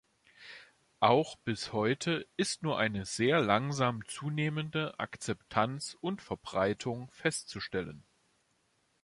Auch bis heute ist nur eine sehr langsam zunehmende Akzeptanz und Verbreitung festzustellen.